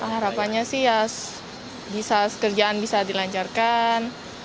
harapannya sih ya bisa kerjaan bisa dilancarkan